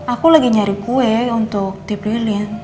aku lagi nyari kue untuk tiplin